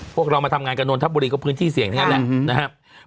พวกเรามาทำงานกับนนทบุรีก็พื้นที่เสี่ยงทั้งนั้นแหละนะครับ